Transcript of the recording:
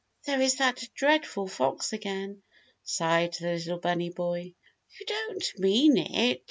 There is that dreadful fox again," sighed the little bunny boy. "You don't mean it!"